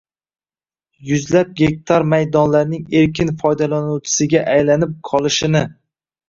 yuzlab gektar maydonlarning erkin foydalanuvchisiga aylanib qolishini